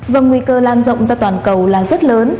vâng nguy cơ lan rộng ra toàn cầu là rất lớn